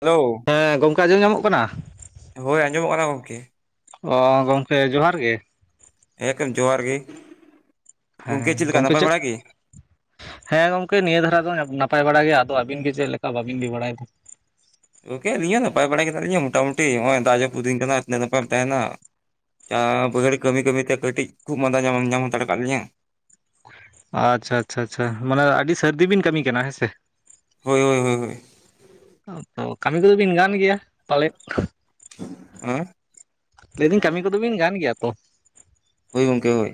Hello ᱦᱮᱸ ᱜᱚᱝᱠᱮ ᱟᱡᱚᱢ ᱧᱟᱢᱚᱜ ᱠᱟᱱᱟ ᱦᱳᱭ ᱟᱸᱡᱚᱢᱚᱜ ᱠᱟᱱᱟ ᱜᱚᱢᱠᱮ ᱚ ᱜᱚᱢᱠᱮ ᱡᱚᱦᱟᱨ ᱜᱮ ᱦᱮᱸ ᱜᱚᱢᱠᱮ ᱡᱚᱦᱟᱨ ᱜᱮ ᱜᱚᱢᱠᱮ ᱦᱮᱸ ᱪᱮᱫ ᱞᱮᱠᱟ ᱜᱚᱝᱠᱮ ᱱᱟᱯᱟᱭ ᱵᱟᱲᱟ ᱜᱮ ᱦᱮᱸ ᱜᱚᱝᱠᱮ ᱱᱤᱭᱟᱹ ᱫᱷᱟᱨᱟ ᱫᱚ ᱱᱟᱯᱟᱭ ᱵᱟᱲᱟ ᱜᱮ ᱟᱫᱚ ᱟᱹᱵᱤᱱ ᱜᱮ ᱪᱮᱫ ᱞᱮᱠᱟ ᱵᱟᱵᱤᱱ ᱞᱟᱹᱭ ᱵᱟᱲᱟᱭᱮᱫᱟ ᱜᱚᱢᱠᱮ ᱟᱹᱞᱤᱧ ᱦᱚᱸ ᱱᱟᱯᱟᱭ ᱵᱟᱲᱟᱜᱮ ᱦᱮᱱᱟᱜ ᱞᱤᱧᱟ ᱢᱚᱴᱟᱢᱩᱴᱤ ᱱᱚᱜᱼᱚᱭ ᱫᱟᱜ ᱡᱟᱹᱯᱩᱫ ᱫᱤᱱ ᱠᱟᱱᱟ ᱛᱤᱱᱟᱹᱜ ᱱᱟᱯᱟᱭᱮᱢ ᱛᱟᱦᱮᱱᱟ ᱪᱟ ᱵᱟᱹᱭᱦᱟᱹᱲ ᱠᱟᱹᱢᱤ ᱠᱟᱹᱢᱤᱛᱮ ᱠᱟᱹᱴᱤᱡ ᱠᱷᱩᱜ ᱢᱟᱸᱫᱟ ᱧᱟᱢ ᱧᱟᱢ ᱦᱟᱛᱟᱲ ᱟᱠᱟᱫ ᱞᱤᱧᱟᱹ ᱟᱪᱪᱷᱟ ᱟᱪᱪᱷᱟ ᱟᱪᱪᱷᱟ ᱢᱟᱱᱮ ᱟᱹᱰᱤ ᱥᱟᱹᱨᱫᱤ ᱵᱤᱱ ᱠᱟᱹᱢᱤ ᱠᱟᱱᱟ ᱦᱮᱸ ᱥᱮ ᱦᱳᱭ ᱦᱳᱭ ᱦᱳᱭ ᱦᱳᱭ [unintelligible] ᱠᱟᱹᱢᱤ ᱠᱚᱫᱚ ᱵᱤᱱ ᱜᱟᱱ ᱜᱮᱭᱟ ᱯᱟᱞᱮᱫ ᱦᱮᱸ ᱞᱟᱹᱭᱫᱟᱹᱧ ᱠᱟᱹᱢᱤ ᱠᱚᱫᱚ ᱵᱤᱱ ᱜᱟᱱ ᱜᱮᱭᱟ ᱛᱚ ᱦᱳᱭ ᱜᱚᱢᱠᱮ ᱦᱳᱭ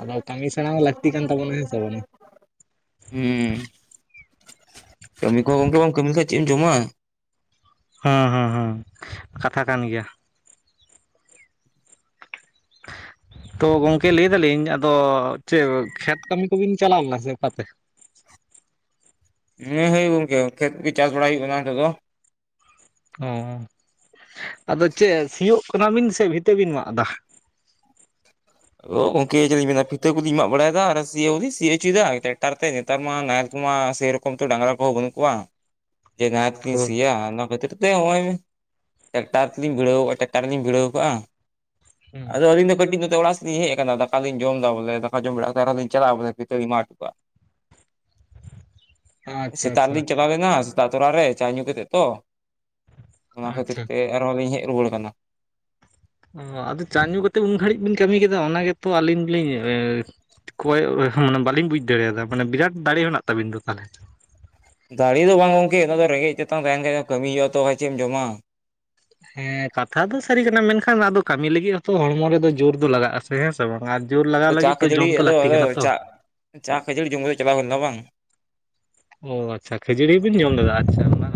ᱟᱫᱚ ᱠᱟᱹᱢᱤ ᱥᱮᱬᱟ ᱦᱚᱸ ᱞᱟᱹᱠᱛᱤ ᱠᱟᱱ ᱛᱟᱵᱚᱱᱟ ᱦᱮᱸᱥᱮ ᱵᱟᱝᱼᱟ ᱦᱩᱸ ᱠᱟᱹᱢᱤ ᱠᱚ ᱜᱚᱝᱠᱮ ᱵᱟᱢ ᱠᱟᱹᱢᱤ ᱞᱮᱠᱷᱟᱡ ᱪᱮᱫ ᱮᱢ ᱡᱚᱢᱟ ᱦᱚᱸ ᱦᱚᱸ ᱦᱚᱸ ᱠᱟᱛᱷᱟ ᱠᱟᱱ ᱜᱮᱭᱟ [inaudible] ᱛᱚ ᱜᱚᱢᱠᱮ ᱞᱟᱹᱭ ᱫᱟᱞᱤᱧ ᱟᱫᱚ ᱪᱮᱫ ᱠᱷᱮᱛ ᱠᱟᱹᱢᱤ ᱠᱚᱵᱤᱱ ᱪᱟᱞᱟᱣ ᱞᱮᱱᱟ ᱥᱮ ᱚᱠᱟᱛᱮ ᱦᱮᱸ ᱦᱩᱭ ᱜᱚᱝᱠᱮ ᱱᱟᱛᱮ ᱠᱟᱹᱡ ᱪᱟᱥ ᱵᱟᱲᱟᱭ ᱦᱩᱭᱩᱜ ᱠᱟᱱᱟ ᱱᱛᱮᱫ ᱫᱚ ᱚ ᱟᱫᱚ ᱪᱮᱫ ᱥᱤᱭᱳᱜ ᱠᱟᱱᱟᱵᱤᱱ ᱥᱮ ᱵᱷᱤᱛᱟᱹ ᱵᱤᱱ ᱢᱟᱜ ᱮᱫᱟ ᱚ ᱜᱚᱢᱠᱮ ᱪᱮᱫᱤᱧ ᱢᱮᱱᱟ ᱵᱷᱤᱛᱟᱹ ᱠᱚᱞᱤᱧ ᱢᱟᱜ ᱵᱟᱲᱟᱭᱮᱫᱟ ᱟᱨ ᱥᱤᱭᱟᱹᱜ ᱦᱚᱸᱞᱤᱧ ᱥᱤ ᱦᱚᱪᱚᱭᱮᱫᱟ ᱴᱨᱮᱠᱴᱟᱨ ᱛᱮ ᱱᱮᱛᱟᱨ ᱢᱟ ᱱᱟᱦᱮᱞ ᱠᱚᱢᱟ ᱥᱮᱨᱚᱠᱚᱢ ᱛᱚ ᱰᱟᱝᱨᱟ ᱠᱚᱦᱚᱸ ᱵᱟᱹᱱᱩᱜ ᱠᱚᱣᱟ ᱡᱮ ᱱᱟᱦᱮᱞ ᱠᱚᱛᱤᱧ ᱦᱩᱸ ᱥᱤᱭᱟ ᱚᱱᱟ ᱠᱷᱟᱹᱛᱤᱨ ᱛᱮ ᱱᱚᱜᱼᱚᱭ ᱴᱨᱟᱠᱴᱟᱨ ᱛᱮᱞᱤᱧ ᱵᱷᱤᱲᱟᱹᱣ ᱟᱠᱟᱜᱼᱟ ᱴᱨᱟᱠᱴᱟᱨ ᱨᱮᱞᱤᱧ ᱵᱷᱤᱲᱟᱹᱣ ᱟᱠᱟᱜᱼᱟ ᱟᱫᱚ ᱟᱹᱞᱤᱧ ᱫᱚ ᱠᱟᱹᱴᱤᱡ ᱟᱲᱟᱜ ᱥᱮᱫ ᱤᱧ ᱦᱮᱡ ᱠᱟᱱᱟ ᱫᱟᱠᱟᱫᱩᱧ ᱡᱚᱢᱫᱟ ᱵᱚᱞᱮ ᱫᱟᱠᱟ ᱡᱚᱢ ᱵᱮᱲᱟᱠᱟᱛᱮᱫ ᱟᱨᱦᱩᱧ ᱪᱟᱞᱟᱜ ᱵᱚᱞᱮ ᱵᱷᱤᱛᱟᱹᱜᱤᱧ ᱢᱟᱜ ᱦᱟᱴᱚᱼᱠᱟᱜ [inaudible] ᱟᱪᱪᱷᱟ ᱥᱮᱛᱟᱜ ᱟᱪᱪᱷᱟ ᱨᱮᱞᱤᱧ ᱪᱟᱞᱟᱣᱞᱮᱱᱟ ᱥᱮᱛᱟᱜ ᱛᱚᱨᱟᱨᱮ ᱪᱟ ᱧᱩ ᱠᱟᱛᱮᱫ ᱛᱚ ᱚᱱᱟ ᱠᱷᱟᱹᱛᱤᱨ ᱟᱪᱪᱷᱟ ᱛᱮ ᱟᱨᱦᱚᱸ ᱞᱤᱧ ᱦᱮᱡ ᱨᱩᱣᱟᱹᱲ ᱠᱟᱱᱟ ᱚ ᱟᱫᱚ ᱪᱟ ᱧᱩ ᱠᱟᱛᱮᱫ ᱩᱱ ᱜᱷᱟᱹᱲᱤᱡ ᱵᱤᱱ ᱠᱟᱹᱢᱤ ᱠᱮᱫᱟ ᱚᱱᱟ ᱜᱮᱛᱚ ᱟᱹᱞᱤᱧ ᱜᱮᱞᱤᱧ ᱠᱚᱭᱚᱜ ᱢᱟᱱᱮ ᱵᱟᱹᱞᱤᱧ ᱵᱩᱡ ᱫᱟᱲᱮᱭᱟᱫᱟ ᱢᱟᱱᱮ ᱵᱤᱨᱟᱴ ᱫᱟᱲᱮ ᱦᱮᱱᱟᱜ ᱛᱟᱵᱤᱱ ᱫᱚ ᱛᱟᱦᱚᱞᱮ ᱫᱟᱲᱮ ᱫᱚ ᱵᱟᱝ ᱜᱚᱢᱠᱮ ᱚᱱᱟ ᱫᱚ ᱨᱮᱸᱜᱮᱡ ᱪᱮᱛᱟᱱ ᱛᱟᱦᱮᱱ ᱠᱷᱟᱡ ᱫᱚ ᱠᱟᱹᱢᱤ ᱦᱩᱭᱩᱜᱼᱟ ᱛᱚ ᱠᱷ ᱪᱮᱫ ᱮᱢ ᱡᱚᱢᱟ ᱦᱮᱸ ᱠᱟᱛᱷᱟ ᱫᱚ ᱥᱟᱹᱨᱤ ᱠᱟᱱᱟ ᱢᱮᱱᱠᱷᱟᱱ ᱟᱫᱚ ᱠᱟᱹᱢᱤ ᱞᱟᱹᱜᱤᱫ ᱷᱚᱛᱚ ᱦᱚᱲᱢᱚ ᱨᱮᱫᱚ ᱡᱳᱨ ᱫᱚ ᱞᱟᱜᱟᱜ ᱟᱥᱮ ᱦᱮᱸ ᱥᱮ ᱵᱟᱝ ᱟᱨ ᱡᱳᱨ ᱟᱫᱚ ᱞᱟᱜᱟᱣ ᱪᱟ ᱞᱟᱹᱜᱤᱫ ᱛ ᱠᱷᱟᱹᱡᱟᱹᱲᱤ ᱡᱚᱢ ᱛᱚ ᱟᱫᱚ ᱞᱟᱹᱠᱛᱤ ᱟᱫᱚ ᱠᱟᱱᱟ ᱛᱚ ᱪᱟ ᱪᱟ ᱠᱷᱟᱹᱡᱟᱹᱲᱤ ᱡᱚᱢ ᱠᱟᱛᱮ ᱪᱟᱞᱟᱣ ᱦᱩᱭ ᱞᱮᱱᱟ ᱵᱟᱝ ᱚ ᱟᱪᱪᱷᱟ ᱠᱷᱟᱹᱡᱟᱹᱲᱤ ᱵᱮᱤᱱ ᱡᱚᱢ ᱞᱮᱫᱟ ᱟᱪᱪᱷᱟ ᱚᱱᱟ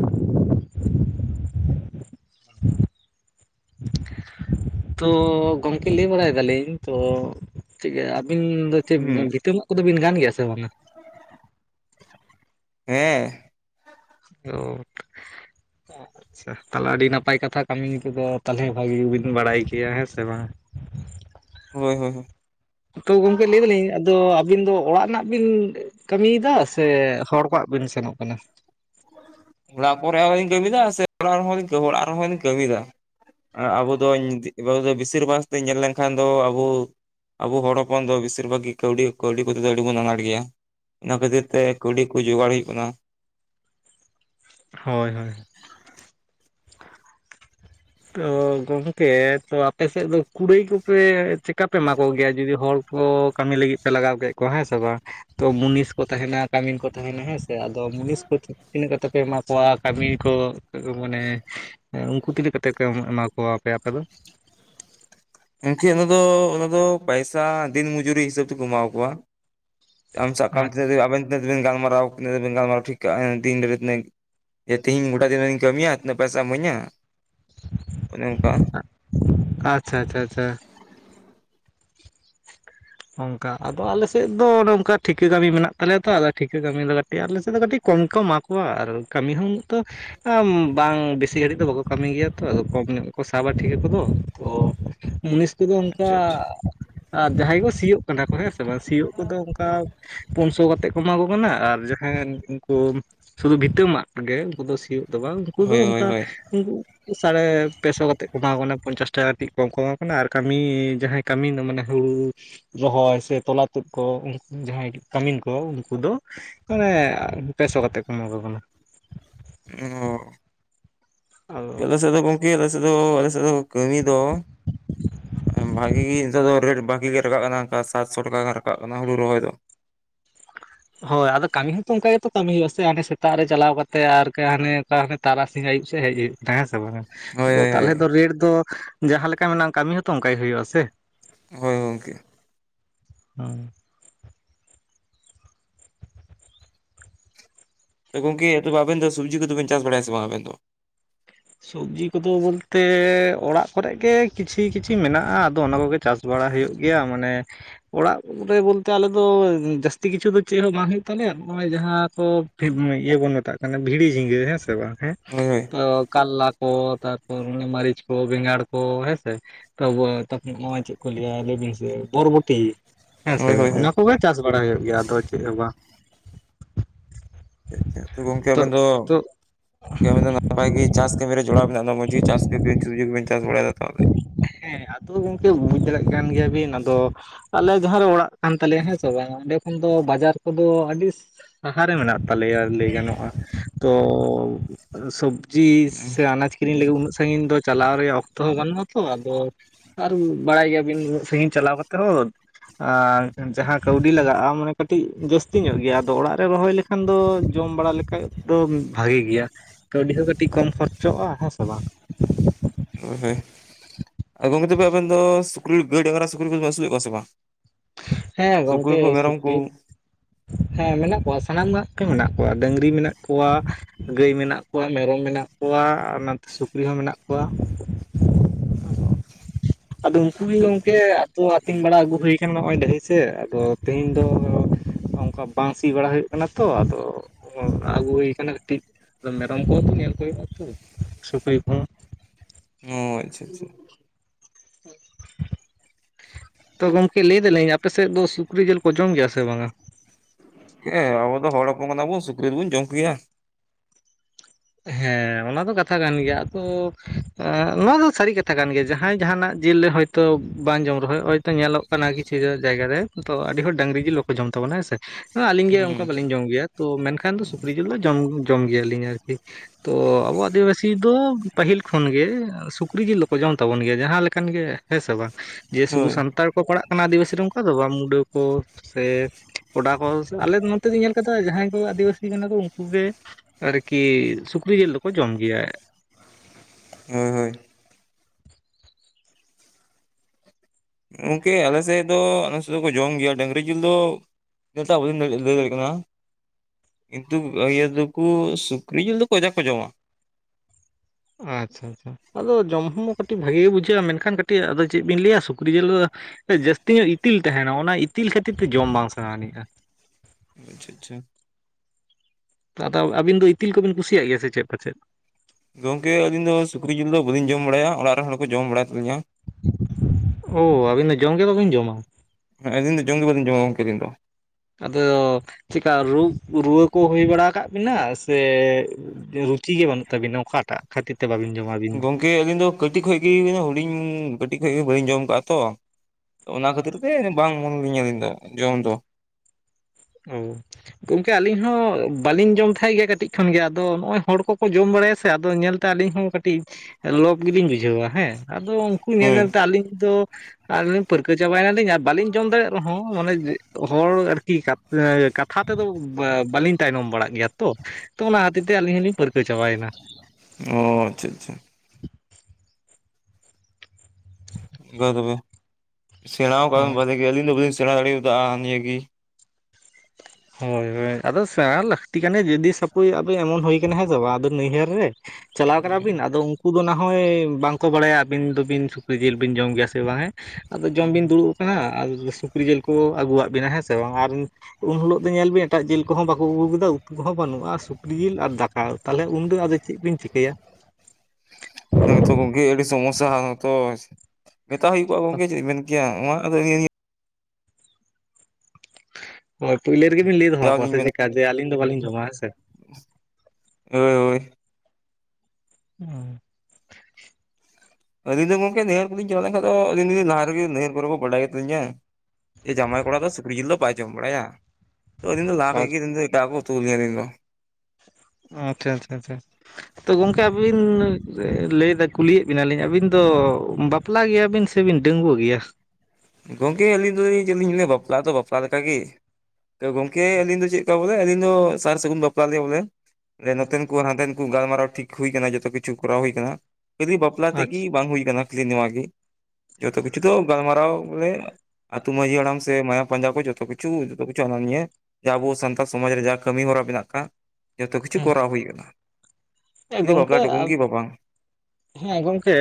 [inaudible] ᱛᱚ ᱜᱚᱝᱠᱮ ᱞᱟᱹᱭ ᱵᱟᱲᱟᱭ ᱫᱟᱞᱤᱧ ᱛᱚ ᱴᱷᱤᱠᱜᱮᱭᱟ ᱟᱹᱵᱤᱱ ᱫᱚ ᱪᱮᱫ ᱦᱩᱸ ᱵᱷᱤᱛᱟ ᱢᱟᱜ ᱠᱚᱫᱚ ᱵᱤᱱ ᱜᱟᱱ ᱜᱮᱭᱟ ᱥᱮ ᱵᱟᱝ ᱦᱮᱸ ᱚ ᱟᱪᱪᱷᱟ ᱛᱟᱦᱚᱞᱮ ᱟᱹᱰᱤ ᱱᱟᱯᱟᱭ ᱠᱟᱛᱷᱟ ᱠᱟᱹᱢᱤ ᱠᱚᱫᱚ ᱛᱟᱦᱚᱞᱮ ᱵᱷᱟᱜᱤ ᱜᱮᱵᱤᱱ ᱵᱟᱲᱟᱭ ᱜᱮᱭᱟ ᱦᱮᱸ ᱥᱮ ᱵᱟᱝ ᱦᱳᱭ ᱦᱳᱭ ᱦᱭ ᱛᱩ ᱜᱚᱝᱠᱮ ᱞᱟᱹᱭ ᱮ ᱫᱟᱞᱤᱧ ᱟᱫᱚ ᱟᱹᱵᱤᱱ ᱫᱚ ᱚᱲᱟᱜ ᱨᱮᱱᱟᱜ ᱵᱤᱱ ᱠᱟᱹᱢᱤᱭᱮᱫᱟ ᱥᱮ ᱦᱚᱲ ᱠᱚᱣᱟᱜ ᱵᱤᱱ ᱥᱮᱱᱚᱜ ᱠᱟᱱᱟ ᱚᱲᱟᱜ ᱠᱚᱨᱧ ᱠᱟᱹᱢᱤᱭᱮᱫᱟ ᱥᱮ ᱚᱲᱟᱜ ᱨᱮᱦᱚᱸ ᱚᱲᱟᱜ ᱨᱮᱦᱚᱸᱧ ᱠᱟᱹᱢᱤᱭᱮᱫᱟ ᱟᱵᱚ ᱫᱚ ᱵᱮᱥᱤᱨ ᱵᱷᱟᱜᱽ ᱛᱤᱧ ᱧᱮᱞ ᱞᱮᱱᱠᱷᱟᱱ ᱫᱚ ᱟᱵᱚ ᱟᱵᱚ ᱦᱚᱲ ᱦᱚᱯᱚᱱ ᱫᱚ ᱵᱮᱥᱤᱨ ᱵᱷᱟᱜᱽ ᱜᱮ ᱠᱟᱹᱣ ᱠᱟᱹᱣᱰᱤ ᱠᱚᱛ ᱫᱚ ᱟᱹᱰᱤ ᱵᱚᱱ ᱟᱱᱟᱴ ᱜᱮᱭᱟ ᱤᱱᱟ ᱠᱷᱟᱹᱛᱤᱨ ᱛᱮ ᱠᱩᱣᱰᱤ ᱠᱚ ᱡᱚᱜᱟᱲ ᱦᱩᱭᱩᱜ ᱠᱟᱱᱟ ᱦᱳᱭ ᱦᱳᱭ ᱛᱚ ᱜᱚᱝᱠᱮ ᱛᱚ ᱟᱯᱮᱥᱮᱫ ᱫᱚ ᱠᱩᱲᱟᱹᱭ ᱠᱚᱯᱮ ᱪᱮᱠᱟ ᱯᱮ ᱮᱢᱟ ᱠᱚᱜᱮᱭᱟ ᱡᱩᱫᱤ ᱦᱚᱲ ᱠᱚ ᱠᱟᱹᱢᱤ ᱞᱟᱹᱜᱤᱫ ᱯᱮ ᱞᱟᱜᱟᱣ ᱠᱮᱫ ᱠᱚᱣᱟ ᱦᱮᱸ ᱥᱮ ᱵᱟᱝ ᱛᱚ ᱢᱩᱱᱤᱥ ᱠᱚ ᱛᱟᱦᱮᱱᱟ ᱠᱟᱹᱢᱤ ᱠᱚ ᱛᱟᱦᱮᱱᱟ ᱦᱮᱸᱥᱮ ᱟᱫᱚ ᱢᱩᱱᱤᱥ ᱠᱚ ᱛᱤᱱᱟᱹᱜ ᱠᱟᱛᱮ ᱯᱮ ᱮᱢᱟ ᱠᱚᱣᱟ ᱠᱟᱹᱢᱤ ᱠᱚ ᱢᱟᱱᱮ ᱩᱱᱠᱩ ᱛᱤᱱᱟᱹᱜ ᱠᱟᱛᱮ ᱠᱚ ᱮᱢᱟ ᱠᱚᱣᱟᱯᱮ ᱟᱯᱮ ᱫᱚ ᱜᱚᱝᱠᱮ ᱚᱱᱟ ᱫᱚ ᱚᱱᱟ ᱫᱚ ᱯᱚᱭᱥᱟ ᱫᱤᱱ ᱢᱚᱡᱩᱨᱤ ᱦᱤᱥᱟᱹᱵᱽ ᱛᱮᱠᱚ ᱮᱢᱟᱣ ᱠᱚᱣᱟ ᱟᱢ ᱥᱟᱵᱟᱜ ᱠᱟᱜ ᱢᱮ ᱛᱤᱱᱟᱹᱜ ᱟᱵᱤᱱ ᱛᱤᱱᱟᱹᱜ ᱜᱟᱞᱢᱟᱨᱟᱣ ᱤᱱᱟᱹᱜᱤᱱ ᱜᱟᱞᱢᱟᱨᱟᱣ ᱴᱷᱤᱠᱼᱟᱠᱟᱫᱟ ᱛᱮᱦᱮᱧ ᱫᱷᱟᱨᱤᱡ ᱛᱤᱱᱟᱹᱜ ᱡᱮ ᱛᱮᱦᱧ ᱜᱚᱴᱟ ᱫᱤᱱ ᱨᱤᱧ ᱠᱟᱹᱢᱤᱭᱟ ᱛᱤᱱᱟᱹᱜ ᱯᱚᱭᱥᱟᱢ ᱤᱢᱟᱹᱧᱟ ᱚᱱᱮ ᱚᱱᱠᱟ ᱟᱪᱪᱷᱟ ᱟᱪᱪᱷᱟ ᱟᱪᱪᱷᱟ ᱚᱱᱠᱟ ᱟᱫᱚ ᱟᱞᱮᱥᱮᱫ ᱫᱚ ᱚᱱᱮ ᱚᱱᱠᱟ ᱴᱷᱤᱠᱟᱹ ᱠᱟᱹᱢᱤ ᱢᱮᱱᱟᱜ ᱛᱟᱞᱮᱭᱟ ᱛᱚ ᱟᱫᱚ ᱴᱷᱤᱠᱟᱹ ᱠᱟᱹᱢᱤ ᱫᱚ ᱠᱟᱹᱴᱤᱡ ᱟᱞᱮᱥᱮᱫ ᱫᱚ ᱠᱟᱹᱴᱤᱡ ᱠᱚᱢ ᱜᱮ ᱠᱚ ᱮᱢᱟ ᱠᱚᱣᱟ ᱠᱚᱣᱟ ᱟᱨ ᱠᱟᱹᱢᱤ ᱦᱚᱸ ᱫᱚ ᱵᱟᱝ ᱵᱮᱥᱤ ᱜᱷᱟᱹᱲᱤᱡ ᱫᱚ ᱵᱟᱠᱚ ᱠᱟᱹᱢᱤ ᱜᱮᱭᱟ ᱛᱚ ᱟᱫᱚ ᱠᱚᱢ ᱧᱚᱜ ᱜᱮᱠᱚ ᱥᱟᱵᱟ ᱴᱷᱤᱠᱟ ᱠᱚᱫᱚ ᱛᱚ ᱢᱩᱱᱤᱥ ᱩᱱᱠᱩ ᱫᱚ ᱚᱱᱠᱟ ᱟᱪᱪᱷᱟ ᱟᱪᱪᱷᱟ ᱡᱟᱦᱟᱸᱭ ᱠᱚ ᱥᱤᱭᱳᱜ ᱠᱟᱱᱟ ᱠᱚ ᱦᱮᱸ ᱥᱮ ᱵᱟᱝ ᱥᱤᱭᱳᱜ ᱠᱚᱫᱚ ᱚᱱᱠᱟ ᱯᱩᱱ ᱥᱚ ᱠᱟᱛᱮᱫ ᱠᱚ ᱮᱢᱟ ᱠᱚ ᱠᱟᱱᱟ ᱟᱨ ᱡᱟᱦᱟᱸᱭ ᱩᱱᱠᱩ ᱥᱩᱫᱷᱩ ᱵᱷᱤᱛᱟᱹ ᱢᱟᱜ ᱜᱮ ᱩᱱᱠᱩ ᱫᱚ ᱥᱤᱭᱳᱜ ᱫᱚ ᱵᱟᱝ ᱩᱱᱠᱩ ᱫᱚ ᱦᱳᱭ ᱦᱳᱭ ᱚᱱᱠᱟ ᱦᱳᱭ ᱩᱱᱠᱩ ᱥᱟᱲᱮ ᱯᱮᱥᱚ ᱠᱟᱛᱮᱫ ᱠᱚ ᱮᱢᱟ ᱠᱚ ᱠᱟᱱᱟ ᱯᱚᱧᱪᱟᱥ ᱴᱟᱠᱟ ᱠᱟ ᱠᱚᱢ ᱠᱚ ᱮᱢᱟ ᱠᱚ ᱠᱟᱱᱟ ᱟᱨ ᱠᱟᱹᱢᱤ ᱡᱟᱦᱟᱸᱭ ᱠᱟᱹᱢᱤ ᱫᱚ ᱢᱟᱱᱮ ᱦᱳᱲᱩ ᱨᱚᱦᱚᱭ ᱥᱮ ᱛᱚᱞᱟ ᱛᱩᱫ ᱠᱚ ᱩᱱᱠᱩ ᱡᱟᱦᱟᱸᱭ ᱠᱟᱹᱢᱤᱱ ᱠᱚ ᱩᱱᱠᱩ ᱫᱚ ᱢᱟᱱᱮ ᱯᱮ ᱥᱚ ᱠᱟᱛᱮᱫ ᱠᱚ ᱮᱢᱟ ᱠᱚ ᱠᱟᱱᱟ᱾ [unintelligible] ᱟᱫᱚ ᱟᱞᱮ ᱥᱮ ᱫᱚ ᱜᱚᱝᱠᱮ ᱟᱞᱮ ᱥᱮ ᱫᱚ ᱟᱞᱮ ᱥᱮ ᱫᱚ ᱠᱟᱹᱢᱤ ᱫᱚ ᱵᱷᱟᱜᱮ ᱜᱮ ᱱᱤᱛᱚᱜ ᱫᱚ ᱨᱮᱴ ᱵᱟᱠᱤ ᱜᱮ ᱨᱟᱠᱟᱜ ᱠᱟᱱᱟ ᱥᱟᱛᱥᱚ ᱴᱟᱠᱟ ᱜᱟᱱ ᱨᱟᱠᱟᱵ ᱠᱟᱱᱟ ᱦᱩᱲᱩ ᱨᱚᱦᱚᱭ ᱫᱚ᱾ ᱦᱳᱭ ᱟᱫᱚ ᱠᱟᱹᱢᱤ ᱦᱚᱸᱛᱚ ᱚᱱᱠᱟ ᱜᱮᱛᱚ ᱠᱟᱹᱢᱤ ᱦ ᱦᱩᱭᱩᱜ ᱟ ᱥᱮ ᱦᱟᱱᱮ ᱥᱮᱛᱟᱜ ᱨᱮ ᱪᱟᱞᱟᱣ ᱠᱟᱛᱮ ᱟᱨ ᱦᱟᱱᱮ ᱚᱠᱟ ᱦᱟᱱᱮ ᱛᱟᱨᱥᱤᱧ ᱟᱹᱭᱩᱵ ᱥᱮ ᱦᱮᱡ ᱦᱩᱭᱩᱜ ᱠᱟᱱᱟ ᱦᱮᱸ ᱥᱮ ᱵᱟᱝ ᱦᱳᱭ ᱟᱫᱚ ᱦᱳᱭ ᱛᱟᱦᱚᱞᱮ ᱦᱳᱭ ᱫᱚ ᱨᱮᱴ ᱫᱚ ᱡᱟᱦᱟᱸᱮ ᱞᱮᱠᱟ ᱢᱮᱱᱟᱜ ᱠᱟᱹᱢᱤ ᱦᱚᱸᱛᱚ ᱚᱱᱠᱟ ᱜᱮ ᱦᱩᱭᱩᱜ ᱟ ᱥᱮ ᱦᱳᱭ ᱜᱚᱢᱠᱮ [unintelligible] ᱛᱚ ᱜᱚᱢᱠᱮ ᱟᱵᱮᱱ ᱫᱚ ᱥᱚᱵᱽᱡᱤ ᱠᱚᱫᱚᱢ ᱪᱟᱥ ᱵᱟᱲᱟ ᱥᱮ ᱵᱟᱝ ᱟᱵᱮᱱ ᱫᱚ ᱥᱚᱵᱽᱡᱤ ᱠᱚᱫᱚ ᱵᱚᱞᱛᱮ ᱚᱲᱟᱜ ᱠᱚᱨᱮ ᱜᱮ ᱠᱤᱪᱷᱤ ᱠᱤᱪᱷᱤ ᱢᱮᱱᱟᱜᱼᱟ ᱟᱫᱚ ᱚᱱᱟ ᱠᱚᱜᱮ ᱪᱟᱥ ᱵᱟᱲᱟ ᱦᱩᱭᱩᱜ ᱜᱮᱭᱟ ᱢᱟᱱᱮ ᱚᱲᱟᱜ ᱨᱮ ᱵᱚᱞᱛᱮ ᱟᱞᱮ ᱫᱚ ᱡᱟᱹᱥᱛᱤ ᱠᱤᱪᱷᱩ ᱫᱚ ᱪᱮᱫ ᱦᱚᱸ ᱵᱟᱝ ᱦᱩᱭᱩᱜ ᱛᱟᱞᱮᱭᱟ ᱱᱚᱜᱼᱚᱭ ᱡᱟᱦᱟᱸ ᱠᱚ ᱤᱭᱟᱹ ᱵᱚᱱ ᱢᱮᱛᱟᱜ ᱠᱟᱱᱟ ᱵᱷᱤᱲᱤ ᱡᱷᱤᱸᱜᱟᱹ ᱦᱮᱸ ᱥᱮ ᱵᱟᱝ ᱦᱮᱸ ᱦᱳᱭ ᱦᱳᱭ ᱛᱚ ᱠᱟᱨᱞᱟ ᱠᱚ ᱛᱟᱨᱯᱚᱨ ᱮ ᱢᱟᱹᱨᱤᱪ ᱠᱚ ᱵᱮᱸᱜᱟᱲ ᱠᱚ ᱦᱮᱸ ᱥᱮ ᱛᱚ ᱟᱵᱚ ᱱᱚᱭ ᱪᱮᱫ ᱠᱚ ᱞᱟᱹᱭᱟ ᱞᱟᱹᱭᱵᱤᱱ ᱥᱮ ᱵᱚᱨᱵᱚᱴᱤ ᱦᱮᱸᱥᱮ ᱦᱳᱭ ᱦᱳᱭ ᱦᱳᱭ ᱚᱱᱟ ᱠᱚᱜᱮ ᱪᱟᱥ ᱵᱟᱲᱟ ᱦᱩᱭᱩᱜ ᱜᱮᱭᱟ ᱟᱫᱚ ᱪᱮᱫ ᱦᱚᱸ ᱵᱟᱝ᱾ ᱜᱚᱢᱠᱮ ᱛᱚ ᱟᱵᱮᱱ ᱫᱚ ᱛᱚ ᱠᱟᱹᱢᱤ ᱫᱚ ᱱᱟᱯᱟᱭ ᱜᱮ ᱪᱟᱥ ᱠᱟᱹᱢᱤ ᱨᱮ ᱡᱚᱲᱟᱣ ᱢᱮᱱᱟᱜᱼᱟ ᱢᱚᱡᱽ ᱜᱮ ᱪᱟᱥ ᱥᱚᱵᱡᱤ ᱠᱚᱵᱤᱱ ᱪᱟᱥ ᱵᱟᱲᱟᱭᱮᱫᱟ ᱛᱚ ᱛᱟᱦᱚᱞᱮ ᱚ ᱜᱚᱝᱠᱮ ᱵᱩᱡᱽ ᱫᱟᱲᱮᱭᱟᱜ ᱠᱟᱱ ᱜᱮᱭᱟᱵᱤᱱ ᱟᱫᱚ ᱟᱞᱮ ᱡᱟᱦᱟᱸᱨᱮ ᱚᱲᱟᱜ ᱠᱟᱱ ᱛᱟᱞᱮᱭᱟ ᱦᱮᱸ ᱥᱮ ᱵᱟᱝ ᱚᱸᱰᱮ ᱠᱷᱚᱱ ᱫᱚ ᱵᱟᱡᱟᱨ ᱠᱚᱫᱚ ᱟᱹᱰᱤ ᱥᱟᱦᱟ ᱨᱮ ᱢᱮᱱᱟᱜ ᱛᱟᱞᱮᱭᱟ ᱞᱟᱹᱭ ᱜᱟᱱᱚᱜᱼᱟ ᱛᱚ ᱥᱚᱵᱽᱡᱤ ᱥᱮ ᱟᱱᱟᱡᱽ ᱠᱤᱨᱤᱧ ᱞᱟᱹᱜᱤᱫ ᱩᱱᱟᱹᱜ ᱥᱟᱺᱜᱤᱧ ᱫᱚ ᱪᱟᱞᱟᱣ ᱨᱮᱭᱟᱜ ᱚᱠᱛᱚ ᱦᱚᱸ ᱜᱟᱱᱩᱜᱼᱟ ᱛᱚ ᱟᱫᱚ ᱟᱨ ᱵᱟᱲᱟᱭ ᱜᱮᱭᱟᱵᱤᱱ ᱩᱱᱟᱜ ᱥᱟᱺᱜᱤᱧ ᱪᱟᱞᱟᱣ ᱠᱟᱛᱮ ᱦᱚᱸ ᱟᱨ ᱡᱟᱦᱟᱸ ᱠᱟᱹᱣᱰᱤ ᱞᱟᱜᱟᱜᱼᱟ ᱢᱟᱱᱮ ᱠᱟᱹᱴᱤᱡ ᱡᱟᱹᱥᱛᱤ ᱧᱚᱜ ᱜᱮᱭᱟ ᱟᱫᱚ ᱚᱲᱟᱜ ᱨᱮ ᱨᱚᱦᱚᱭ ᱞᱮ ᱠᱷᱟᱱ ᱫᱚ ᱡᱚᱢ ᱵᱟᱲᱟ ᱞᱮᱠᱷᱟᱡ ᱫᱚ ᱵᱷᱟᱜᱤ ᱜᱮᱭᱟ ᱠᱟᱹᱣᱰᱤ ᱦᱚ ᱟᱹᱰᱤ ᱠᱚᱢ ᱠᱷᱚᱨᱪᱚᱜᱼᱟ ᱦᱮᱸ ᱥᱮ ᱵᱟᱝ? ᱦᱳᱭ ᱦᱳᱭ ᱜᱚᱢᱠᱮ ᱛᱚᱵᱮ ᱟᱵᱮᱱ ᱫᱚ ᱥᱩᱠᱨᱤ ᱜᱟᱹᱭ ᱰᱟᱝᱨᱟ ᱥᱩᱠᱨᱤ ᱠᱚᱵᱮᱱ ᱟᱹᱥᱩᱞᱮᱫ ᱠᱚᱣᱟ ᱥᱮ ᱵᱟᱝ? ᱦᱮᱸ ᱥᱩᱠᱨᱤ ᱜᱚᱝᱠᱮ ᱠᱚ ᱢᱮᱨᱚᱢ ᱠᱚ ᱥᱩᱠᱨᱤ ᱦᱮᱸ ᱢᱮᱱᱟᱜ ᱠᱚᱣᱟ ᱥᱟᱱᱟᱢᱟᱜ ᱜᱮ ᱢᱮᱱᱟᱜ ᱠᱚᱣᱟ ᱰᱟᱹᱝᱨᱤ ᱢᱮᱱᱟᱜ ᱠᱚᱣᱟ ᱜᱟᱹᱭ ᱢᱮᱱᱟᱜ ᱠᱚᱣᱟ ᱢᱮᱨᱚᱢ ᱢᱮᱱᱟᱜ ᱠᱚᱣᱟ ᱟᱨ ᱱᱛᱮ ᱥᱩᱠᱨᱤ ᱦᱚᱸ ᱢᱮᱱᱟᱜ ᱠᱚᱣᱟ᱾ [unintelligible] ᱟᱫᱚ ᱩᱱᱠᱩ ᱜᱮ ᱜᱚᱝᱠᱮ ᱟᱛᱩ ᱟᱹᱛᱤᱧ ᱵᱟᱲᱟ ᱟᱹᱜᱩ ᱦᱩᱭ ᱮᱱ ᱱᱚᱜᱼᱚᱭ ᱰᱟᱹᱦᱤ ᱥᱮᱫ ᱟᱫᱚ ᱛᱮᱦᱮᱧ ᱫᱚ ᱚᱱᱠᱟ ᱵᱟᱝ ᱥᱤ ᱵᱟᱲᱟ ᱦᱩᱭᱩᱜ ᱠᱟᱱᱟ ᱛᱚ ᱟᱫᱚ ᱚ ᱟᱹᱜᱩ ᱦᱩᱭ ᱟᱠᱟᱱᱟ ᱠᱟᱹᱴᱤᱡ ᱢᱮᱨᱚᱢ ᱠᱚᱦᱚᱸ ᱛᱚ ᱧᱮᱞ ᱠᱚ ᱦᱩᱭᱩᱜ-ᱟ ᱛᱚ ᱥᱩᱠᱨᱤ ᱠᱚᱦᱚᱸ᱾ ᱚ ᱟᱪᱪᱷᱟ ᱟᱪᱪᱷᱟ [inaudible] ᱛᱚ ᱜᱚᱢᱠᱮ ᱞᱟᱹᱭ ᱫᱟᱞᱤᱧ ᱟᱯᱮ ᱥᱮᱫ ᱫᱚ ᱥᱩᱠᱨᱤ ᱡᱤᱞ ᱠᱚ ᱡᱚᱢ ᱜᱮᱭᱟ ᱥᱮ ᱵᱟᱝᱟ? ᱦᱮᱸ ᱟᱵᱚ ᱫᱚ ᱦᱚᱲ ᱦᱚᱯᱚᱱ ᱠᱟᱱᱟ ᱵᱚᱱ ᱥᱩᱠᱨᱤ ᱫᱚᱵᱚᱱ ᱡᱚᱢ ᱠᱚ ᱜᱮᱭᱟ᱾ ᱦᱮᱸ ᱚᱱᱟ ᱫᱚ ᱠᱟᱛᱷᱟ ᱠᱟᱱ ᱜᱮᱭᱟ ᱟᱫᱚ ᱦᱮᱸ ᱱᱚᱣᱟ ᱫᱚ ᱥᱟᱹᱨᱤ ᱠᱟᱛᱷᱟ ᱠᱟᱱ ᱜᱮᱭᱟ ᱡᱟᱦᱟᱸᱭ ᱡᱟᱦᱟᱱᱟᱜ ᱡᱤᱞ ᱨᱮ ᱦᱚᱭ ᱛᱚ ᱵᱟᱝ ᱡᱚᱢ ᱨᱚᱦᱚᱸᱚᱭ ᱦᱚᱭᱛᱚ ᱧᱮᱞᱚᱜ ᱠᱟᱱᱟ ᱠᱤᱪᱷᱩ ᱡᱟᱭᱜᱟ ᱨᱮ ᱛᱚ ᱟᱹᱰᱤ ᱦᱚᱲ ᱰᱟᱝᱨᱤ ᱰᱟᱹᱝᱨᱤ ᱵᱟᱠᱚ ᱡᱚᱢ ᱛᱟᱵᱚᱱᱟ ᱦᱮᱸ ᱥᱮ ᱟᱹᱞᱤᱧ ᱜᱮ ᱚᱱᱠᱟ ᱦᱩᱸ ᱵᱟᱹᱞᱤᱧ ᱡᱚᱢ ᱜᱮᱭᱟ ᱛᱚ ᱢᱮᱱᱠᱷᱟᱱ ᱫᱚ ᱥᱩᱠᱨᱤ ᱡᱤᱞ ᱫᱚ ᱡᱚᱢ ᱡᱚᱢ ᱜᱮᱭᱟᱞᱤᱧ ᱟᱨᱠᱤ᱾ ᱛᱚ ᱟᱵᱚ ᱟᱹᱫᱤᱵᱟᱹᱥᱤ ᱫᱚ ᱯᱟᱹᱦᱤᱞ ᱠᱷᱚᱱᱜᱮ ᱥᱩᱠᱨᱤ ᱡᱤᱞ ᱫᱚᱠᱚ ᱡᱚᱢ ᱛᱟᱵᱚᱱ ᱜᱮᱭᱟ ᱡᱟᱦᱟᱸ ᱞᱮᱠᱟᱱ ᱜᱮ ᱦᱮᱸ ᱥᱮ ᱵᱟᱝ ᱡᱮ ᱥᱩᱫᱩ ᱦᱳᱭ ᱥᱟᱱᱟᱲ ᱠᱚ ᱯᱟᱲᱟᱜ ᱠᱟᱱᱟ ᱟᱹᱫᱤᱵᱟᱹᱥᱤ ᱨᱮ ᱚᱱᱠᱟ ᱫᱚ ᱵᱟᱝ ᱢᱩᱰᱟᱹ ᱠᱚ ᱥᱮ ᱠᱚᱰᱟ ᱠᱚ ᱟᱞᱮ ᱱᱚᱛᱮ ᱫᱚᱧ ᱧᱮᱞ ᱠᱟᱫᱟ ᱡᱟᱦᱟᱸᱭ ᱠᱚ ᱟᱹᱫᱤᱵᱟᱹᱥᱤ ᱠᱟᱱᱟ ᱠᱚ ᱩᱱᱠᱩ ᱜᱮ ᱠᱤ ᱥᱩᱠᱨᱤ ᱡᱤᱞ ᱫᱚᱠᱚ ᱡᱚᱢ ᱜᱮᱭᱟ᱾ ᱦᱳᱭ ᱦᱳᱭ [inaudible] ᱜᱚᱝᱠᱮ ᱟᱞᱮ ᱥᱮᱫ ᱫᱚ ᱟᱞᱮ ᱥᱮᱫ ᱫᱚᱠᱚ ᱡᱚᱢ ᱜᱮᱭᱟ ᱰᱟᱹᱝᱨᱤ ᱡᱤᱞ ᱫᱚ᱾ ᱮᱵᱴᱟ [unintelligible] ᱠᱤᱱᱛᱩ ᱤᱭᱟᱹ ᱫᱚᱠᱚ ᱥᱩᱠᱨᱤ ᱡᱤᱞ ᱫᱚ ᱠᱚᱭᱡᱟᱠ ᱠᱚ ᱡᱚᱢᱟ᱾ ᱟᱪᱪᱷᱟ ᱟᱪᱪᱷᱟ ᱟᱫᱚ ᱡᱚᱢ ᱦᱚᱸ ᱠᱟᱹᱴᱤᱡ ᱵᱷᱟᱜᱤ ᱜᱮ ᱵᱩᱡᱷᱟᱹᱜᱼᱟ᱾ ᱢᱮᱱᱠᱷᱟᱱ ᱠᱟᱹᱴᱤᱡ ᱟᱫᱚ ᱪᱮᱫ ᱵᱤᱱ ᱞᱟᱹᱭᱟ ᱥᱩᱠᱨᱤ ᱡᱤᱞ ᱫᱚ ᱡᱟᱹᱥᱛᱤ ᱧᱚᱜ ᱤᱛᱤᱞ ᱛᱟᱦᱮᱱᱟ ᱚᱱᱟ ᱤᱛᱤᱞ ᱠᱷᱟᱹᱛᱤᱨ ᱛᱮ ᱡᱚᱢ ᱵᱟᱝ ᱥᱟᱱᱟᱱᱼᱟ᱾ ᱟᱪᱪᱷᱟ ᱟᱪᱪᱷᱟ ᱟᱫᱚ ᱟᱵᱤᱱ ᱫᱚ ᱤᱛᱤᱞ ᱠᱚᱵᱤᱱ ᱠᱩᱥᱤᱭᱟᱜ ᱜᱮᱭᱟ ᱥᱮ ᱪᱮᱫ ᱯᱟᱪᱮᱫ? ᱜᱚᱝᱠᱮ ᱟᱹᱞᱤᱧ ᱫᱚ ᱥᱩᱠᱨᱤ ᱡᱤᱞ ᱫᱚ ᱵᱟᱹᱞᱤᱧ ᱡᱚᱢ ᱵᱟᱲᱟᱭᱟ ᱚᱲᱟᱜ ᱨᱮᱱ ᱦᱚᱲ ᱠᱚ ᱡᱚᱢ ᱵᱟᱲᱟᱭ ᱛᱟᱹᱞᱤᱧᱟ᱾ ᱚ ᱟᱹᱵᱤᱱ ᱫᱚ ᱡᱚᱢ ᱜᱮ ᱵᱟᱵᱤᱱ ᱡᱚᱢᱟ? ᱦᱮ ᱟᱞᱤᱧ ᱫᱚ ᱡᱚᱢ ᱜᱮ ᱵᱟᱹᱞᱤᱧ ᱡᱚᱢᱟ ᱜᱚᱢᱠᱮ ᱟᱞᱤᱧ ᱫᱚ᱾ ᱟᱫᱚ ᱪᱮᱠᱟ ᱨᱩ ᱨᱩᱣᱟᱹ ᱠᱚ ᱦᱩᱭ ᱵᱟᱲᱟ ᱟᱠᱟᱜ ᱵᱮᱱᱟ ᱥᱮ ᱨᱩᱪᱤ ᱜᱮ ᱵᱟᱹᱱᱩᱜ ᱛᱟᱵᱤᱱᱟ ᱚᱠᱟᱴᱟᱜ ᱠᱷᱟᱹᱛᱤᱨ ᱛᱮ ᱵᱟᱹᱵᱤᱱ ᱡᱚᱢᱟ? ᱟᱹᱵᱤᱱ ᱜᱚᱝᱠᱮ ᱟᱹᱞᱤᱧ ᱫᱚ ᱠᱟᱹᱴᱤᱡ ᱠᱷᱚᱡ ᱜᱮ ᱦᱩᱰᱤᱧ ᱠᱟᱹᱴᱤᱡ ᱠᱷᱚᱡ ᱜᱮ ᱵᱟᱹᱞᱤᱧ ᱡᱚᱢ ᱟᱠᱟᱜᱼᱟ ᱛᱚ᱾ ᱚᱱᱟ ᱠᱷᱟᱹᱛᱤᱨ ᱛᱮ ᱵᱟᱝ ᱢᱚᱱ [unintelligible] ᱡᱚᱢ ᱫᱚ ᱚᱶ ᱜᱚᱝᱠᱮ ᱟᱹᱞᱤᱧ ᱦᱚᱸ ᱵᱟᱹᱞᱤᱧ ᱡᱚᱢ ᱛᱟᱦᱮᱸᱫ ᱜᱮ ᱠᱟᱹᱴᱤᱡ ᱠᱷᱚᱱ ᱜᱮ ᱟᱫᱚ ᱱᱚᱜ ᱚᱭ ᱦᱚᱲ ᱠᱚᱠᱚ ᱡᱚᱢ ᱵᱟᱲᱟᱭᱟ ᱥᱮ ᱟᱫᱚ ᱧᱮᱞ ᱟᱹᱞᱤᱧ ᱦᱚᱸ ᱠᱟᱹᱴᱤᱡ ᱞᱚᱵᱽ ᱜᱮᱞᱤᱧ ᱵᱩᱡᱷᱟᱹᱣᱟ ᱦᱮᱸ ᱟᱫᱚ ᱩᱱᱠᱩ ᱧᱮᱞ ᱦᱳᱭ ᱧᱮᱞ ᱛᱮ ᱟᱹᱞᱤᱧ ᱫᱚ ᱟᱨ ᱞᱤᱧ ᱯᱟᱹᱨᱠᱟᱹ ᱪᱟᱵᱟᱭᱮᱱᱟᱞᱤᱧ ᱟᱨ ᱵᱟᱹᱞᱤᱧ ᱡᱚᱢ ᱫᱟᱲᱮᱭᱟᱜ ᱨᱮᱦᱚᱸ ᱢᱟᱱᱮ ᱦᱚᱲ ᱟᱨᱠᱤ ᱠᱟᱛᱷᱟ ᱛᱮᱫᱚ ᱵᱟᱹᱞᱤᱧ ᱛᱟᱭᱱᱚᱢ ᱵᱟᱲᱟᱜ ᱜᱮᱭᱟ ᱛᱚ᱾ ᱛᱚ ᱚᱱᱟ ᱫᱤ ᱛᱮ ᱟᱹᱞᱤᱧ ᱦᱚᱞᱤᱧ ᱯᱟᱹᱨᱠᱟᱹᱣ ᱪᱟᱵᱟᱭᱮᱱᱟ᱾ ᱚᱸᱻ ᱟᱪᱪᱷᱟ ᱟᱪᱪᱷᱟ ᱚᱱᱠᱟ ᱛᱚᱵᱮ ᱥᱮᱬᱟᱣ ᱠᱟᱜ ᱦᱚᱸ ᱵᱷᱟᱞᱤ ᱜᱮ ᱟᱹᱞᱤᱧ ᱫᱚ ᱵᱟᱹᱞᱤᱧ ᱥᱮᱬᱟ ᱫᱟᱲᱮᱭᱟᱫᱟ, ᱟ ᱱᱤᱭᱟᱹ ᱜᱮ ᱦᱳᱭ ᱦᱳᱭ ᱟᱫᱚ ᱥᱮᱬᱟ ᱞᱟᱹᱠᱛᱤ ᱠᱟᱱ ᱜᱮᱭᱟ ᱡᱩᱫᱤ ᱥᱟᱯᱚᱡᱽ ᱮᱢᱚᱱ ᱦᱩᱭ ᱟᱠᱟᱱᱟ ᱦᱮᱸ ᱥᱮ ᱵᱟᱝ᱾ ᱟᱫᱚ ᱱᱟᱹᱭᱦᱟᱹᱨ ᱨᱮ ᱪᱟᱞᱟᱣᱟᱠᱟᱱ ᱵᱤᱱ ᱟᱫᱚ ᱩᱱᱠᱩ ᱫᱚ ᱱᱟᱜ ᱦᱚᱭ ᱵᱟᱝ ᱵᱟᱠᱚ ᱵᱟᱲᱟᱭᱟ ᱟᱹᱵᱤᱱ ᱫᱚᱵᱤᱱ ᱥᱩᱠᱨᱤ ᱡᱤᱞ ᱵᱤᱱ ᱡᱚᱢ ᱜᱮᱭᱟ ᱥᱮ ᱵᱟᱝ ᱦᱮᱸ ᱟᱫᱚ ᱡᱚᱢ ᱵᱤᱱ ᱫᱩᱲᱩᱵ ᱟᱨ ᱥᱩᱠᱨᱤ ᱡᱤᱞ ᱠᱚ ᱟᱹᱜᱩᱣᱟᱜ ᱵᱤᱱᱟ ᱦᱮᱸ ᱥᱮ ᱵᱟᱝ ᱟᱨ ᱩᱱ ᱦᱤᱞᱚᱜ ᱫᱚ ᱧᱮᱞ ᱢᱮ ᱮᱴᱟᱜ ᱡᱤᱞ ᱠᱚᱦᱚᱸ ᱵᱟᱠᱚ ᱟᱹᱜᱩ ᱠᱮᱫᱟ ᱩᱛᱩ ᱠᱚᱦᱚᱸ ᱵᱟᱹᱱᱩᱜᱼᱟ ᱥᱩᱠᱨᱤ ᱡᱤᱞ ᱟᱨ ᱫᱟᱠᱟ ᱛᱟᱦᱚᱞᱮ ᱩᱱᱨᱮ ᱟᱫᱚ ᱪᱮᱫ ᱵᱤᱱ ᱪᱤᱠᱟᱹᱭᱟ? ᱛᱚ ᱜᱚᱝᱠᱮ ᱟᱹᱰᱤ ᱥᱚᱢᱚᱥᱥᱟ ᱛᱚ ᱢᱮᱛᱟ ᱦᱩᱭᱩᱜᱼᱟ, ᱜᱚᱝᱠᱮ ᱪᱮᱫ? ᱢᱟ ᱟᱫᱚ [unintelligible] ᱦᱳ ᱯᱳᱭᱞᱳ ᱨᱮᱜᱮ ᱵᱤᱱ ᱞᱟᱹᱭ ᱥᱮᱸᱫᱽᱨᱟ ᱛᱟᱵᱚᱱᱟ ᱯᱟᱪᱷᱮ ᱪᱚᱝ ᱥᱮ ᱪᱮᱠᱟᱮ ᱟᱹᱞᱤᱧ ᱫᱚ ᱵᱟᱹᱞᱤᱧ ᱡᱚᱢᱟ ᱦᱮᱸ ᱥᱮ᱾ ᱳᱭᱻ ᱚᱸᱻ ᱟᱹᱞᱤᱧ ᱫᱚ ᱜᱚᱝᱠᱮ ᱱᱟᱹᱭᱦᱟᱹᱨ ᱠᱚᱞᱤᱧ ᱪᱟᱞᱟᱜ ᱠᱷᱟᱱ ᱫᱚ ᱟᱹᱞᱤᱧ ᱫᱚ ᱞᱟᱦᱟ ᱨᱮᱜᱮ ᱞᱤᱧ ᱞᱟᱹᱭ ᱟᱠᱚ ᱨᱮ ᱠᱚ ᱵᱟᱰᱟᱭ ᱜᱮ ᱛᱟᱹᱤᱧᱟ᱾ ᱡᱮ ᱡᱟᱢᱟᱭ ᱠᱚᱲᱟ ᱫᱚ ᱥᱩᱠᱨᱤ ᱡᱤᱞ ᱫᱚ ᱵᱟᱭ ᱡᱚᱢ ᱵᱟᱲᱟᱭᱟ ᱛᱚ ᱩᱱᱤ ᱫᱚ ᱞᱟᱦᱟ ᱟᱪᱪᱷᱟ ᱠᱷᱚᱱ ᱜᱮ ᱮᱴᱟᱜᱟᱜ ᱠᱚ ᱩᱛᱩ ᱟᱫᱮᱭᱟ ᱠᱚ ᱟᱪᱪᱷᱟ ᱟᱪᱪᱷᱟ ᱟᱪᱪᱷᱟ ᱛᱚ ᱜᱚᱝᱠᱮ ᱟᱹᱵᱤᱱ ᱞᱟᱹᱭᱫᱟ ᱠᱩᱞᱤᱭᱮᱫ ᱵᱤᱱᱟᱞᱤᱧ ᱟᱹᱵᱤᱱ ᱫᱚ ᱵᱟᱯᱞᱟ ᱜᱮᱭᱟᱵᱤᱱ ᱥᱮᱵᱤᱱ ᱰᱟᱺᱜᱩᱣᱟᱹ ᱜᱮᱭᱟ? ᱜᱚᱝᱠᱮ ᱟᱹᱞᱤᱧ ᱫᱚᱞᱤᱧ ᱪᱮᱫ ᱞᱤᱧ ᱞᱟᱹᱭᱟ ᱵᱟᱯᱞᱟ ᱫᱚ ᱵᱟᱯᱞᱟ ᱞᱮᱠᱟ ᱜᱮ᱾ ᱛᱚ ᱜᱚᱝᱠᱮ ᱟᱹᱞᱤᱧ ᱫᱚ ᱪᱮᱫ ᱞᱮᱠᱟ ᱵᱚᱞᱮ ᱟᱹᱞᱤᱧ ᱫᱚ ᱥᱟᱨ ᱥᱟᱹᱜᱩᱱ ᱵᱟᱯᱞᱟ ᱜᱮ ᱵᱚᱞᱮ᱾ ᱱᱚᱛᱮᱱ ᱠᱚ ᱦᱟᱸᱰᱮᱱ ᱠᱚ ᱜᱟᱞᱢᱟᱨᱟᱣ ᱴᱷᱤᱠ ᱦᱩᱭ ᱟᱠᱟᱱᱟ ᱡᱚᱛᱚ ᱠᱤᱪᱷᱩ ᱠᱚᱨᱟᱣ ᱦᱩᱭ ᱟᱠᱟᱱᱟ᱾ [unintelligible] ᱠᱷᱟᱹᱞᱤ ᱵᱟᱯᱞᱟ ᱟᱪᱪᱷᱟ ᱛᱮᱜᱮ ᱵᱟᱝ ᱦᱩᱭ ᱟᱠᱟᱱᱟ ᱠᱷᱟᱹᱞᱤ ᱱᱚᱣᱟ ᱜᱮ ᱡᱚᱛᱚ ᱠᱤᱪᱷᱩ ᱫᱚ ᱜᱟᱞᱢᱟᱨᱟᱣ ᱵᱚᱞᱮ ᱟᱹᱛᱩ ᱢᱟᱺᱡᱷᱤ ᱦᱟᱲᱟᱢ ᱥᱮ ᱢᱟᱭᱟᱢ ᱯᱟᱸᱡᱟ ᱠᱚ ᱡᱚᱛᱚ ᱠᱤᱪᱷᱩ ᱡᱚᱛᱚ ᱠᱤᱪᱷᱩ ᱦᱟᱱᱟ ᱱᱤᱭᱟᱹ ᱡᱮ ᱟᱵᱚ ᱥᱟᱱᱛᱟᱲ ᱥᱚᱢᱟᱡᱽ ᱨᱮ ᱡᱟ ᱠᱟᱹᱢᱤᱦᱚᱨᱟ ᱢᱮᱱᱟᱜ-ᱟ, ᱡᱚᱛᱚ ᱠᱤᱪᱷᱩ ᱦᱮᱸ ᱠᱚᱨᱟᱣ ᱦᱩᱭ ᱟᱠᱟᱱᱟ᱾ ᱦᱮᱸ ᱠᱷᱟᱹᱞᱤ ᱜᱚᱝᱠᱮ ᱵᱟᱯᱞᱟ ᱴᱩᱠᱩᱱ ᱜᱮ [unintelligible] ᱦᱮᱸ ᱜᱚᱝᱠᱮ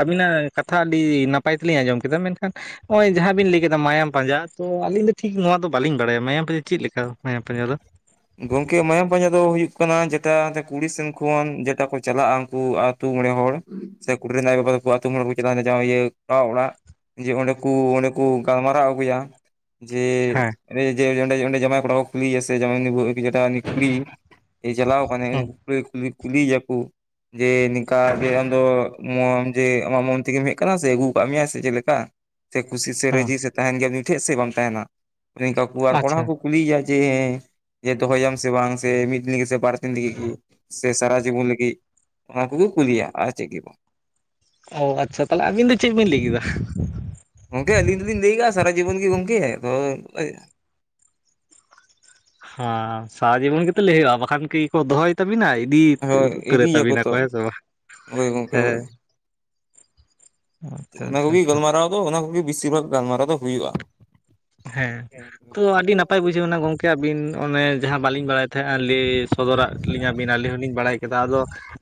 ᱟᱹᱵᱤᱱᱟᱜ ᱠᱟᱛᱷᱟ ᱟᱹᱰᱤ ᱱᱟᱯᱟᱭ ᱛᱮᱞᱤᱧ ᱟᱸᱡᱚᱢ ᱠᱮᱫᱟ ᱢᱮᱱᱠᱷᱟᱱ ᱦᱳᱭ ᱡᱟᱦᱟᱸ ᱵᱤᱱ ᱞᱟᱹᱭ ᱠᱮᱫᱟ ᱢᱟᱭᱟᱢ ᱯᱟᱸᱡᱟ ᱛᱚ ᱟᱹᱞᱤᱧ ᱫᱚ ᱴᱷᱤᱠ ᱱᱚᱣᱟ ᱫᱚ ᱵᱟᱹᱞᱤᱧ ᱵᱟᱲᱟᱭᱟ ᱢᱟᱭᱟᱢ ᱯᱟᱸᱡᱟ ᱪᱮᱫ ᱞᱮᱠᱟ ᱫᱚ ᱢᱟᱭᱟᱢ ᱯᱟᱸᱡᱟ ᱫᱚ? ᱜᱚᱝᱠᱮ ᱢᱟᱭᱟᱢ ᱯᱟᱸᱡᱟ ᱫᱚ ᱦᱩᱭᱩᱜ ᱠᱟᱱᱟ ᱡᱮᱴᱟ ᱠᱩᱲᱤ ᱥᱮᱱ ᱠᱷᱚᱱ ᱡᱮᱛᱮ ᱠᱚ ᱪᱟᱞᱟᱜᱼᱟ ᱩᱱᱠᱩ ᱟᱹᱛᱳ ᱢᱚᱬᱮ ᱦᱚᱲ ᱥᱮ ᱠᱩᱲᱤ ᱨᱤᱱ ᱟᱭᱳ ᱵᱟᱵᱟ ᱫᱚᱠᱚ ᱟᱹᱛᱳ ᱢᱚᱬᱮ ᱦᱚᱲ ᱠᱚ ᱪᱟᱞᱟᱣᱮᱱᱟ ᱡᱟ ᱜᱮ ᱤᱭᱟᱹ ᱠᱚᱲᱟ ᱚᱲᱟᱜ ᱡᱮ ᱚᱸᱰᱮ ᱠᱚ ᱚᱸᱰᱮ ᱠᱚ ᱜᱟᱞᱢᱟᱨᱟᱣ ᱟᱹᱜᱩᱭᱟ ᱡᱮ ᱦᱮᱸ ᱚᱸᱰᱮ ᱚᱸᱰᱮ ᱡᱟᱢᱟᱭ ᱠᱚᱲᱟ ᱠᱚ ᱠᱩᱞᱤᱭᱮᱭᱟ ᱥᱮ ᱡᱮ ᱩᱱᱤ ᱵᱟᱹᱦᱩ ᱤᱫᱤ ᱠᱟᱛᱮ ᱩᱱᱤ ᱠᱩᱞᱤᱭ ᱮᱭ ᱪᱟᱞᱟᱣ ᱟᱠᱟᱱᱟᱭ ᱩᱱᱤ ᱦᱮᱸ ᱠᱩᱲᱤ ᱠᱩᱞᱤ ᱮᱭᱟᱠᱚ ᱡᱮ ᱱᱤᱝᱠᱟ ᱡᱮ ᱟᱢ ᱫᱚ ᱢᱚᱱ ᱡᱮ ᱟᱢᱟᱜ ᱢᱚᱱ ᱛᱮᱜᱮᱢ ᱦᱮᱡ ᱟᱠᱟᱱᱟ ᱥᱮ ᱟᱹᱜᱩ ᱟᱠᱟᱫ ᱢᱮᱭᱟ ᱥᱮ ᱪᱮᱫ ᱞᱮᱠᱟ ᱥᱮ ᱠᱩᱥᱤ ᱥᱮ ᱦᱮᱸ ᱨᱟᱹᱡᱤ ᱥᱮ ᱛᱟᱦᱮᱱ ᱜᱮᱭᱟᱢ ᱩᱱᱤ ᱴᱷᱮᱱ ᱥᱮ ᱵᱟᱢ ᱛᱟᱦᱮᱱᱟ ᱚᱱᱮ ᱚᱱᱠᱟ ᱟᱨ ᱠᱚᱲᱟ ᱟᱪᱪᱷᱟ ᱦᱚᱸ ᱠᱚ ᱠᱩᱞᱤ ᱮᱭᱟᱭ ᱡᱮᱻ ᱡᱮ ᱫᱚᱦᱚᱭᱟᱢ ᱥᱮ ᱵᱟᱝ ᱥᱮ ᱢᱤᱫ ᱫᱤᱱ ᱞᱟᱹᱜᱤᱫ ᱥᱮ ᱵᱟᱨ ᱫᱤᱱ ᱞᱟᱹᱜᱤᱫ ᱜᱮ ᱥᱮ ᱥᱟᱨᱟ ᱡᱤᱵᱚᱱ ᱞᱟᱹᱜᱤᱫ ᱚᱱᱟ ᱠᱚᱠᱚ ᱠᱩᱞᱤᱭᱟ ᱟᱨ ᱪᱮᱫ ᱜᱮ ᱵᱟᱝ᱾ ᱚ ᱟᱪᱪᱷᱟ ᱛᱟᱦᱚᱞᱮ ᱟᱹᱵᱤᱱ ᱫᱚ ᱪᱮᱫ ᱵᱤᱱ ᱞᱟᱹᱭ ᱠᱮᱫᱟ ᱜᱚᱝᱠᱮ ᱟᱹᱞᱤᱧ ᱫᱚᱞᱤᱧ ᱞᱟᱹᱭ ᱠᱟᱜᱼᱟ ᱥᱟᱨᱟ ᱡᱤᱵᱚᱱ ᱜᱮ ᱜᱚᱝᱠᱮ ᱛᱚ ᱦᱮᱸ ᱥᱟᱨᱟ ᱡᱤᱵᱚᱱ ᱜᱮᱛᱚ ᱞᱟᱹᱭ ᱦᱩᱭᱩᱜᱼᱟ ᱵᱟᱠᱷᱟᱱ ᱠᱤ ᱠᱚ ᱫᱚᱦᱚᱭ ᱛᱟᱹᱵᱤᱱᱟ ᱤᱫᱤ ᱦᱳᱭ ᱩᱛᱟᱹᱨ ᱤᱫᱤᱭᱟᱠᱚ ᱛᱟᱹᱵᱤᱱᱟ ᱛᱚ ᱠᱚ ᱦᱮᱸ ᱥᱮ ᱵᱟᱝ ᱦᱳᱭ ᱜᱚᱝᱠᱮ ᱦᱮᱸ ᱦᱳᱭ ᱛᱚ ᱟᱪᱪᱷᱟ ᱚᱱᱟ ᱟᱪᱪᱷᱟ ᱠᱚᱜᱮ ᱟᱪᱪᱷᱟ ᱜᱟᱞᱢᱟᱨᱟᱣ ᱫᱚ ᱚᱱᱟ ᱠᱚᱜᱮ ᱵᱮᱥᱤᱨ ᱵᱷᱟᱜ ᱜᱟᱞᱢᱟᱨᱟᱣ ᱫᱚ ᱦᱩᱭᱩᱜᱼᱟ᱾ ᱦᱮᱸ ᱛᱚ ᱟᱹᱰᱤ ᱱᱟᱯᱟᱭ ᱵᱩᱡᱷᱟᱹᱣᱮᱱᱟ ᱜᱚᱝᱠᱮ ᱟᱹᱵᱤᱱ ᱚᱱᱮ ᱡᱟᱦᱟᱸ ᱵᱟᱹᱞᱤᱧ ᱵᱟᱲᱟᱭ ᱛᱟᱦᱮᱸ ᱞᱤᱧ ᱥᱚᱫᱚᱨᱟᱜ ᱞᱤᱧᱟ ᱵᱤᱱ ᱟᱹᱞᱤᱧ ᱦᱚᱞᱤᱧ ᱵᱟᱲᱟᱭ ᱠᱮᱫᱟ᱾ ᱟᱫᱚ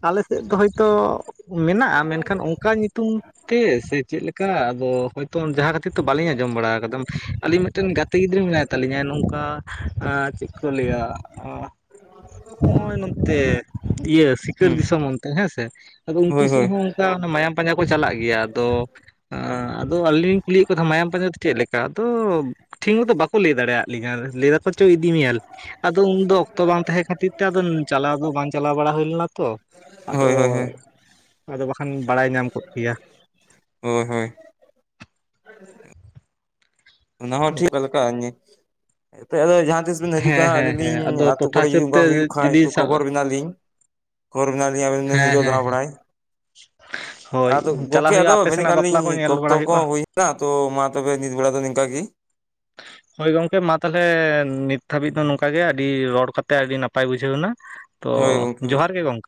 ᱟᱞᱮᱥᱮᱫ ᱫᱚ ᱦᱚᱭ ᱛᱚ ᱢᱮᱱᱟᱜᱼᱟ ᱢᱮᱱᱠᱷᱟᱱ ᱚᱱᱠᱟ ᱧᱩᱛᱩᱢ ᱛᱮ ᱥᱮ ᱪᱮᱫ ᱞᱮᱠᱟ ᱟᱫᱚ ᱦᱚᱭᱛᱳ ᱡᱟᱦᱟᱸ ᱠᱤᱛᱩ ᱵᱟᱹᱞᱤᱧ ᱟᱡᱸᱚᱢ ᱵᱟᱲᱟ ᱠᱟᱫᱟ ᱢᱤᱫᱴᱮᱱ ᱜᱟᱛᱮ ᱜᱤᱫᱽᱨᱟᱹ ᱢᱮᱱᱟᱭ ᱛᱟᱞᱤᱧᱟ ᱱᱚᱝᱠᱟ ᱪᱮᱫ ᱠᱚ ᱞᱟᱹᱭᱟ ᱦᱚᱜᱼᱚᱭ ᱱᱚᱛᱮ ᱤᱭᱟᱹ ᱥᱤᱠᱟᱹᱨ ᱦᱩᱸ ᱫᱤᱥᱚᱢ ᱚᱱᱛᱮ ᱦᱮᱸ ᱥᱮ ᱟᱫᱚ ᱩᱱᱠᱩ ᱦᱳᱭ ᱥᱮᱫ ᱦᱳᱭ ᱦᱚᱸ ᱠᱟ ᱢᱟᱭᱟᱢ ᱯᱟᱸᱡᱟ ᱠᱚ ᱪᱟᱞᱟᱜ ᱜᱮᱭᱟ ᱟᱫᱚ ᱟᱫᱚ ᱟᱹᱞᱤᱧ ᱞᱤᱧ ᱠᱩᱞᱤᱭᱮᱫ ᱠᱚᱛᱷᱮᱸ ᱢᱟᱭᱟᱢ ᱯᱟᱸᱡᱟ ᱫᱚ ᱪᱮᱫ ᱞᱮᱠᱟ ᱛᱚ ᱴᱷᱤᱠ ᱢᱚᱛᱚ ᱵᱟᱠᱚ ᱞᱟᱹᱭ ᱫᱟᱲᱮᱭᱟᱫ ᱞᱤᱧᱟᱹ ᱞᱟᱹᱭ ᱫᱟᱠᱚ ᱪᱚ ᱤᱫᱤ ᱢᱮᱭᱟ ᱟᱫᱚ ᱩᱱ ᱫᱚ ᱚᱠᱛᱚ ᱵᱟᱝ ᱛᱟᱦᱮᱸ ᱠᱷᱟᱹᱛᱤᱨ ᱛᱮ ᱟᱫᱚ ᱪᱟᱞᱟᱣ ᱠᱩ ᱵᱟᱝ ᱪᱟᱞᱟᱣ ᱵᱟᱲᱟ ᱦᱩᱭ ᱞᱮᱱᱟ ᱛᱚ ᱟᱫᱚ ᱦᱳᱭ ᱦᱳᱭ ᱦᱳᱭ ᱟᱫᱚ ᱵᱟᱠᱷᱟᱱ ᱵᱟᱲᱟᱭ ᱧᱟᱢ ᱠᱚᱜ ᱠᱮᱭᱟ᱾ ᱦᱳᱭ ᱦᱳᱭ [inaudible] ᱚᱱᱟ ᱦᱚᱸ ᱴᱷᱤᱠ [inaudible] ᱱᱤᱛᱚᱜ ᱫᱚ ᱡᱟᱦᱟᱸ ᱛᱤᱥ ᱵᱤᱱ ᱦᱤᱡᱩᱜ ᱦᱮᱸ ᱠᱟᱱᱟ ᱦᱮᱸ ᱟᱹᱞᱤᱧ ᱦᱮᱸ ᱞᱤᱧ ᱟᱫᱚ ᱟᱹᱛᱩ ᱴᱚᱴᱷᱟ ᱠᱚᱨᱮ ᱡᱩᱫᱤ ᱦᱤᱥᱟᱹᱵ ᱚᱱᱠᱟ ᱛᱮ ᱦᱩᱭᱩᱜ ᱠᱷᱟᱡ ᱡᱩᱫᱤ ᱛᱚ ᱠᱷᱚᱵᱚᱨ ᱵᱤᱱᱟᱞᱤᱧ ᱠᱷᱚᱵᱚᱨ ᱵᱤᱞᱟ ᱞᱤᱧ ᱟᱵᱤᱱ ᱵᱤᱱ ᱦᱮᱸ ᱦᱤᱡᱩᱜ-ᱟ ᱦᱮᱸ ᱨᱟᱜ ᱵᱟᱲᱟᱭ ᱦᱳᱭ ᱟᱫᱚ ᱪᱟᱞᱟᱜ ᱜᱚᱝᱠᱮ ᱦᱩᱭᱩᱜᱼᱟ ᱟᱫᱚ ᱟᱯᱮ ᱢᱮᱱᱮᱜ ᱥᱮᱱᱟᱜ ᱠᱟᱱᱟ ᱵᱟᱯᱞᱟ ᱞᱤᱧ ᱠᱚ ᱧᱮᱞ ᱚᱠᱛᱚ ᱵᱟᱲᱟ ᱦᱩᱭᱩᱜᱼᱟ ᱠᱚᱦᱚ ᱦᱩᱭ ᱦᱮᱡ ᱱᱟ ᱛᱚ ᱢᱟ ᱛᱚᱵᱮ ᱱᱤᱛ ᱵᱮᱲᱟ ᱫᱚ ᱱᱤ [inaudible] ᱦᱳᱭ ᱜᱚᱝᱠᱮ ᱢᱟ ᱛᱟᱞᱚᱦᱮ ᱱᱤᱛ ᱫᱷᱟᱹᱵᱤᱡ ᱫᱚ ᱱᱚᱝᱠᱟ ᱜᱮ ᱟᱹᱰᱤ ᱨᱚᱲ ᱠᱟᱛᱮ ᱟᱹᱰᱤ ᱱᱟᱯᱟᱭ ᱵᱩᱡᱷᱟᱹᱣ ᱱᱟ᱾ ᱛᱚ ᱦᱳᱭ ᱜᱚᱝᱠᱮ ᱦᱳᱭ ᱡᱚᱦᱟᱨ ᱜᱮ ᱜᱚᱝᱠᱮ